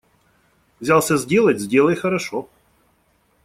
Взялся сделать – сделай хорошо.